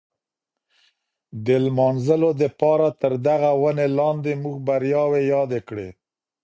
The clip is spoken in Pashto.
د لمانځلو دپاره تر دغي وني لاندي موږ بریاوې یادې کړې.